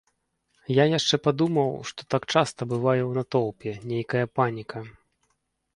Я яшчэ падумаў, што так часта бывае ў натоўпе, нейкая паніка.